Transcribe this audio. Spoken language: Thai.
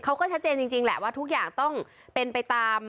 เขาก็ชัดเจนจริงแหละว่าทุกอย่างต้องเป็นไปตาม